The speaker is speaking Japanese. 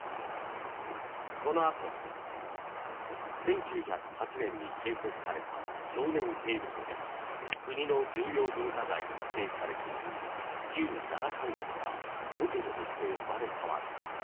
このあとは１９０８年に建設された少年刑務所で国の重要文化財に指定されている旧奈良監獄がホテルとして生まれ変わる。